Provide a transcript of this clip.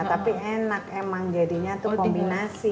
tapi enak emang jadinya itu kombinasi